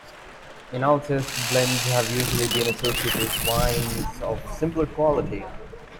In Alsace, blends have usually been associated with wines of simpler quality.